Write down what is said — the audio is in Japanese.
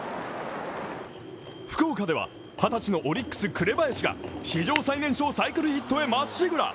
福岡では二十歳のオリックス・紅林が史上最年少サイクルヒットへまっしぐら。